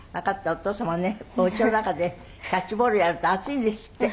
お父様ねお家の中でキャッチボールやると暑いんですって。